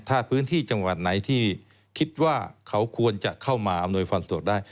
ถ้าพื้นที่จังหวัดไหนที่คิดว่าเขาควรจะเข้ามาอำนวยความสะดวกได้